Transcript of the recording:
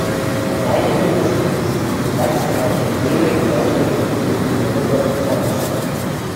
Weine dieses Typs wachsen auf den lehmig-sandigen Böden der oberen Terrassen.